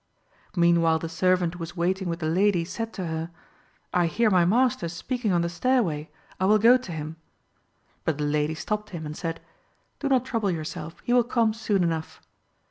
Meanwhile the servant who was waiting with the lady, said to her "I hear my master speaking on the stairway. I will go to him." But the lady stopped him and said "Do not trouble yourself; he will come soon enough."